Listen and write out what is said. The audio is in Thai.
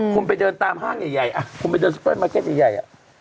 คุณไปเดินตามห้างใหญ่